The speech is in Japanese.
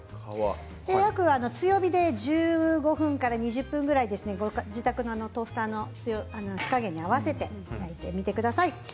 強火で１５分から２０分ぐらい自宅のトースターの火加減に合わせてやってみてください。